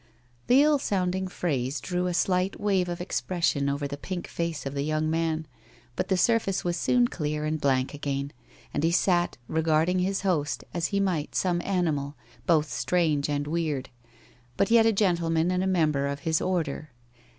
The ill sounding phrase drew a slight wave of expres sion over the pink face of the young man, but the surface was soon clear and blank again, and he sat regarding his host as he might some animal, both strange and weird, but yet a gentleman and a member of his order.